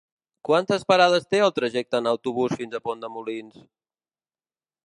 Quantes parades té el trajecte en autobús fins a Pont de Molins?